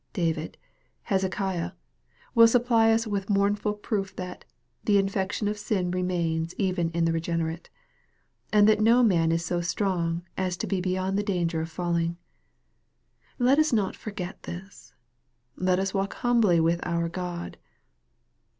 David, Hezekiah, will supply us with mourn ful proof, that " the infection of sin remains even in the regenerate," and that no man is so strong as to be be yond the danger of falling. Let us not forget this. Let us walk humbly with our God.